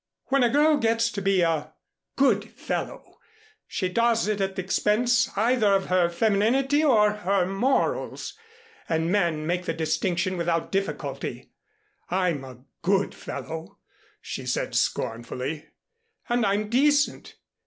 When a girl gets to be 'a good fellow' she does it at the expense either of her femininity or her morals. And men make the distinction without difficulty. I'm 'a good fellow,'" she said scornfully, "and I'm decent.